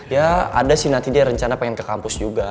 ya ada sih nanti dia rencana pengen ke kampus juga